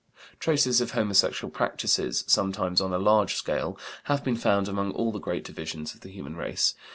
Traces of homosexual practices, sometimes on a large scale, have been found among all the great divisions of the human race.